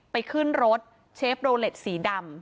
ไปขึ้นรถเชฟโรเล็ตสีดำ